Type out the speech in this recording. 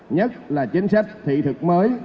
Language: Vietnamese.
nhất là chính sách thị thực mới